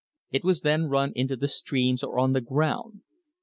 It was then run into the streams or on the ground.